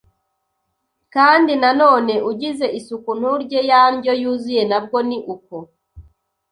kandi nanone ugize isuku nturye ya ndyo yuzuye na bwo ni uko